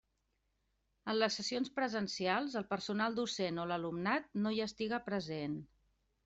En les sessions presencials, el personal docent o l'alumnat no hi estiga present.